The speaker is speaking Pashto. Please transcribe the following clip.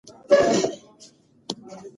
عمر غوښتل چې د غلام رښتینی شخصیت و ازمایي.